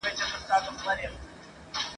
نه قیامت سته نه د مرګ توري پلټني !.